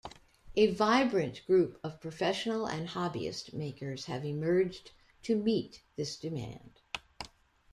A vibrant group of professional and hobbyist makers have emerged to meet this demand.